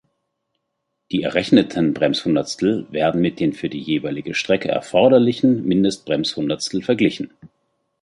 Die errechneten Bremshundertstel werden mit den für die jeweilige Strecke erforderlichen Mindest-Bremshundertstel verglichen.